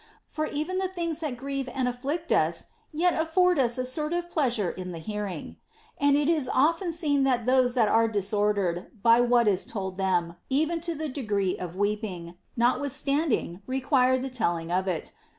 For even the things that grieve and afflict us yet afford us a sort of pleasure in the hearing. And it is often seen that those that are disordered by what is told them, even to the degree of weeping, notwithstanding 172 PLEASURE NOT ATTAINABLE require the telling of it.